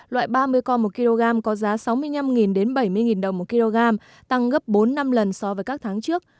loại ba mươi con một kg có giá sáu mươi năm bảy mươi đồng một kg tăng gấp bốn năm lần so với các tháng trước